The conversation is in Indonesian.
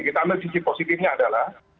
kita ambil sisi positifnya adalah